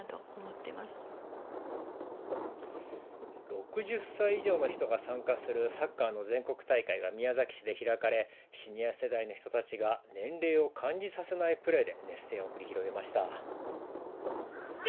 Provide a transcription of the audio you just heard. ６０歳以上の人が参加するサッカーの全国大会が宮崎市で開かれシニア世代の人たちが年齢を感じさせないプレーで熱戦を繰り広げました。